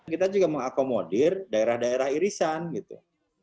kita juga mengakomodir daerah daerah irisan gitu